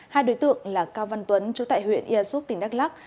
hai đối tượng là cao văn tuấn chú tại huyện ia súp tỉnh đắk lắc